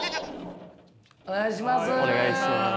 お願いします。